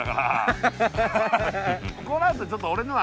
こうなるとちょっと俺のは。